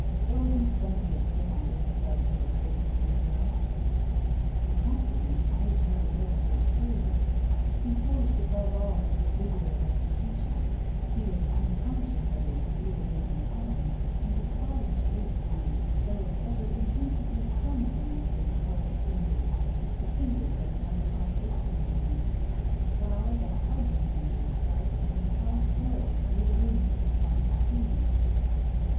There will be plenty of pretty bits about your vintaging girl.' The compliment made Mahoudeau feel serious. He posed above all for vigour of execution; he was unconscious of his real vein of talent, and despised gracefulness, though it ever invincibly sprung from his big, coarse fingers the fingers of an untaught working man like a flower that obstinately sprouts from the hard soil where the wind has flung its seed.